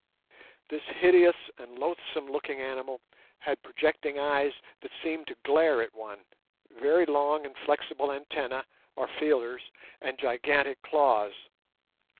This hideous and loathsome looking animal had projecting eyes that seemed to glare at one, very long and flexible antennae or feelers, and gigantic claws.